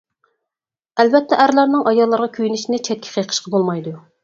ئەلۋەتتە، ئەرلەرنىڭ ئاياللارغا كۆيۈنۈشىنى چەتكە قېقىشقا بولمايدۇ.